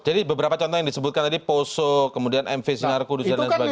jadi beberapa contoh yang disebutkan tadi poso kemudian mv sinar kudus dan lain sebagainya